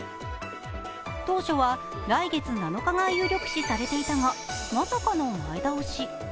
当初は来月７日が有力視されていたが、まさかの前倒し。